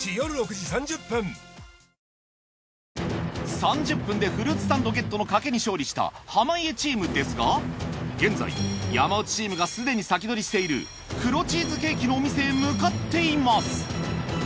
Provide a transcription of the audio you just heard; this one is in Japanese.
３０分でフルーツサンドゲットの賭けに勝利した濱家チームですが現在山内チームがすでに先取りしている黒チーズケーキのお店へ向かっています。